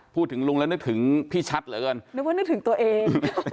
พูดถึงลุงแล้วนึกถึงพี่ชัดเหรอเกินแล้วว่านึกถึงตัวเอง